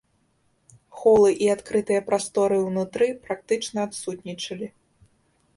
Холы і адкрытыя прасторы ўнутры практычна адсутнічалі.